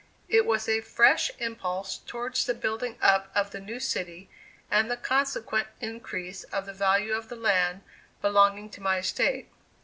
It was a fresh impulse towards the building up of the new city and the consequent increase of the value of the land belonging to my estate.